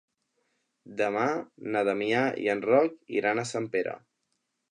Demà na Damià i en Roc iran a Sempere.